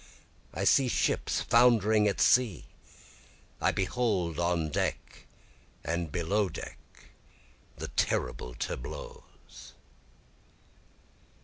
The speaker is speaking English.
I see ships foundering at sea, I behold on deck and below deck the terrible tableaus.